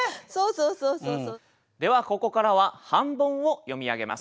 ではここからは半ボンを読み上げます。